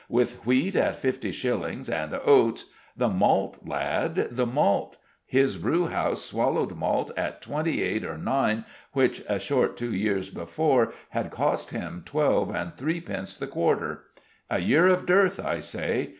"With wheat at fifty shillings, and oats " "The malt, lad, the malt! His brewhouse swallowed malt at twenty eight or nine which a short two years before had cost him twelve and threepence the quarter. A year of dearth, I say.